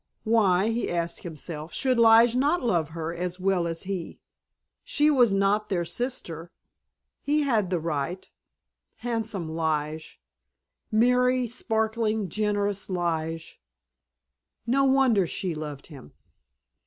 Why, he asked himself, should Lige not love her, as well as he? She was not their sister. He had the right. Handsome Lige. Merry, sparkling, generous Lige! No wonder she loved him!